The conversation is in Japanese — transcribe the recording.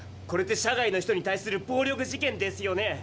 これって社外の人に対する暴力事件ですよね？